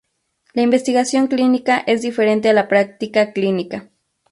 La investigación clínica es diferente a la práctica clínica.